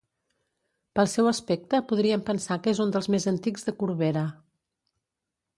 Pel seu aspecte podríem pensar que és un dels més antics de Corbera.